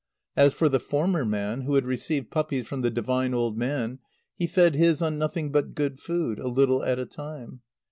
As for the former man, who had received puppies from the divine old man, he fed his on nothing but good food, a little at a time.